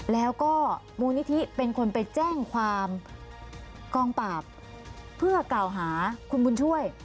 แล้วก็มูลนิธิเป็นคนไปแจ้งความกองปราบเพื่อกล่าวหาคุณบุญช่วย